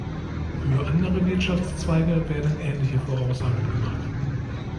Für andere Wirtschaftszweige werden ähnliche Voraussagen gemacht.